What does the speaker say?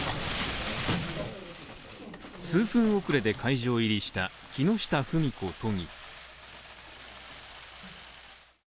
数分遅れで会場入りした木下富美子都議。